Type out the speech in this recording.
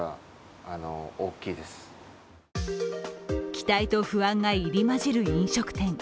期待と不安が入り交じる飲食店。